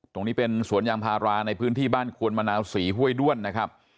ตรงนี้เป็นสวนยางพาราในพื้นที่บ้านควนมะนาวศรีห้วยด้วนนะครับ